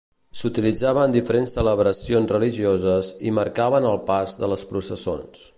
S'utilitzava en diferents celebracions religioses i marcaven el pas de les processons.